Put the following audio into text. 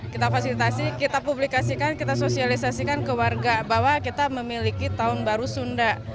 kita fasilitasi kita publikasikan kita sosialisasikan ke warga bahwa kita memiliki tahun baru sunda